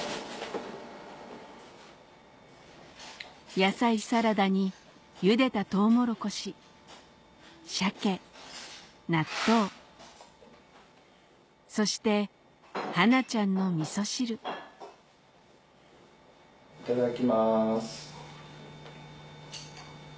野菜サラダにゆでたトウモロコシ鮭納豆そしてはなちゃんのみそ汁いただきます。